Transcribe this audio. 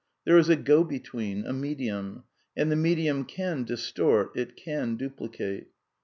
There is a go between, a medium. \ And the medium can distort ; it can duplicate.